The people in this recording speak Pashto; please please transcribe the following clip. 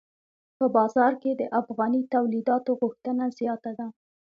په بازار کې د افغاني تولیداتو غوښتنه زیاته ده.